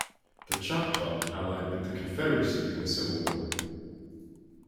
The Choctaw allied with the Confederacy in the Civil War.